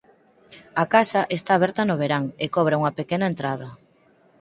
A casa está aberta no verán e cobra unha pequena entrada.